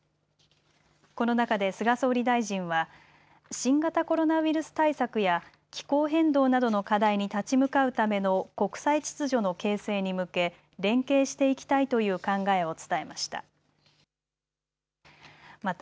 この中で菅総理大臣は新型コロナウイルス対策や気候変動などの課題に立ち向かうための国際秩序の形成に向け連携していきたいという考えを伝えました。